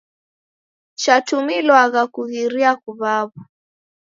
Chatumilwagha kughiria kuw'aw'a.